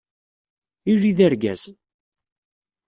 Ili d argaz!